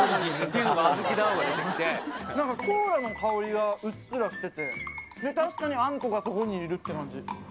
なんかコーラの香りがうっすらしてて、確かにあんこがそこにいるって感じ。